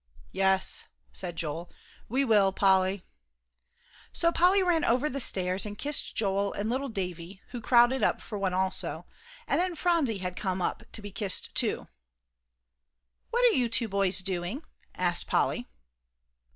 "Yes," said Joel, "we will, Polly." So Polly ran over the stairs and kissed Joel and little Davie, who crowded up for one also, and then Phronsie had to come up to be kissed too. "What are you two boys doing?" asked Polly.